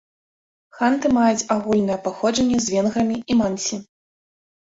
Ханты маюць агульнае паходжанне з венграмі і мансі.